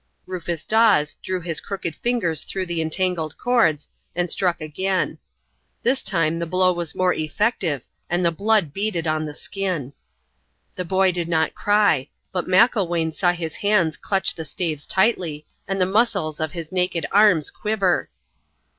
Rufus Dawes drew his crooked fingers through the entangled cords, and struck again. This time the blow was more effective, and the blood beaded on the skin. The boy did not cry; but Macklewain saw his hands clutch the staves tightly, and the muscles of his naked arms quiver.